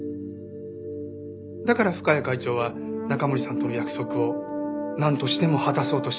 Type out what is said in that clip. だから深谷会長は中森さんとの約束をなんとしても果たそうとしたんです。